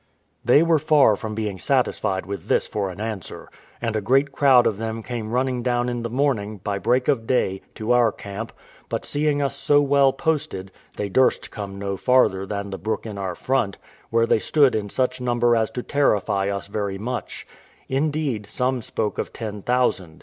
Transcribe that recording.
They were far from being satisfied with this for an answer: and a great crowd of them came running down in the morning, by break of day, to our camp; but seeing us so well posted, they durst come no farther than the brook in our front, where they stood in such number as to terrify us very much; indeed, some spoke of ten thousand.